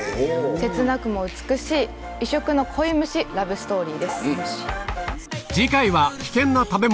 切なくも美しい異色の恋虫ラブストーリーです。